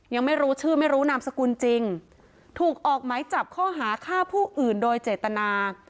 ยังไม่รู้ชื่อไม่รู้นามสกุลจริงถูกออกไหมจับข้อหาฆ่าผู้อื่นโดยเจตนา